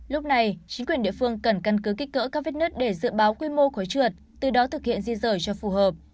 lúc này chính quyền địa phương cần căn cứ kích cỡ các vết nứt để dự báo quy mô khói trượt từ đó thực hiện di rời cho phù hợp